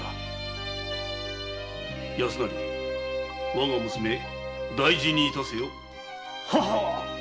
我が娘大事に致せよ。